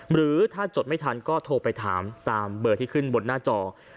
หรือถ้าจดไม่ทันก็โทรไปถามตามเบอร์ที่ขึ้นบนหน้าจอ